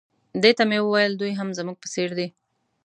دې ته مې وویل دوی هم زموږ په څېر دي.